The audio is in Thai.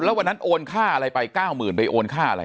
แล้ววันนั้นโอนค่าอะไรไป๙๐๐๐ไปโอนค่าอะไร